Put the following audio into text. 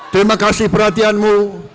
terima kasih perhatianmu